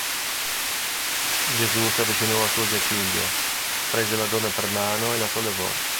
Gesù s'avvicinò al suo giaciglio, prese la donna per mano e la sollevò.